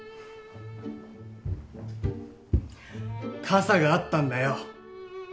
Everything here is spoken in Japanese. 傘があったんだよ。